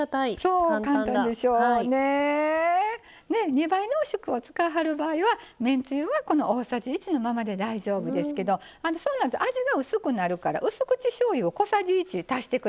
２倍濃縮を使いはる場合はめんつゆはこの大さじ１のままで大丈夫ですけどそうなると味が薄くなるからうす口しょうゆを小さじ１足して下さい。